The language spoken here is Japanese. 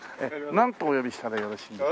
なんとお呼びしたらよろしいですか？